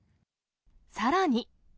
さらに。